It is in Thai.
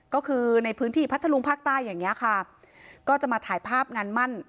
ก็คือในพื้นที่พัทธลุงภาคใต้อย่างนี้ค่ะก็จะมาถ่ายภาพงานมั่น